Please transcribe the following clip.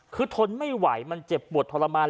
คือทนไม่ไหวมันเจ็บปวดทรมาน